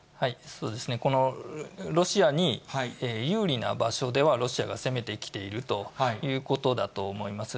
そうですね、このロシアに有利な場所では、ロシアが攻めてきているということだと思います。